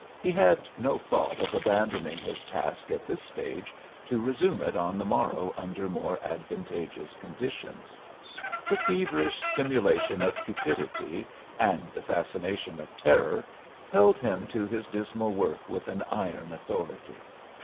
He had no thought of abandoning his task at this stage to resume it on the morrow under more advantageous conditions. The feverish stimulation of cupidity and the fascination of terror held him to his dismal work with an iron authority.